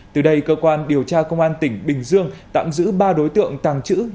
từ đây cơ quan điều tra công an tỉnh bình dương tặng giữ ba đối tượng tàng chữ